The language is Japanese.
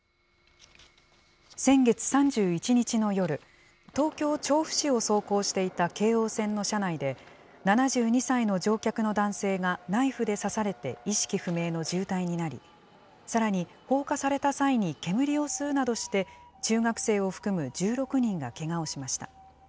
先月３１日の夜、東京・調布市を走行していた京王線の車内で、７２歳の乗客の男性がナイフで刺されて、意識不明の重体になり、さらに放火された際に煙を吸うなどして、中学生を含む１６人がけがをしました。